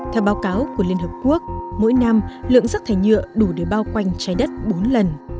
theo báo cáo của liên hợp quốc mỗi năm lượng rác thải nhựa đủ để bao quanh trái đất bốn lần